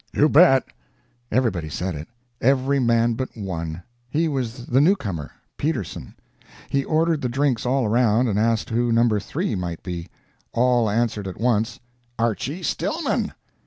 "You bet!" Everybody said it. Every man but one. He was the new comer Peterson. He ordered the drinks all round, and asked who No. 3 might be. All answered at once, "Archy Stillman!"